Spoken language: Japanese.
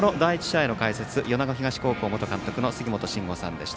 第１試合の解説米子東高校元監督の杉本真吾さんでした。